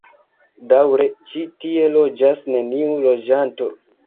Daŭre ĉi tie loĝas neniu loĝanto.